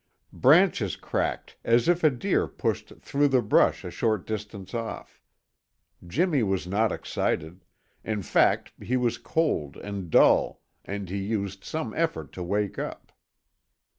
Branches cracked as if a deer pushed through the brush a short distance off. Jimmy was not excited; in fact, he was cold and dull, and he used some effort to wake up.